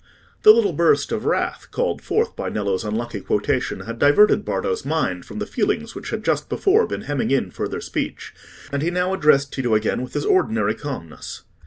The little burst of wrath, called forth by Nello's unlucky quotation, had diverted Bardo's mind from the feelings which had just before been hemming in further speech, and he now addressed Tito again with his ordinary calmness.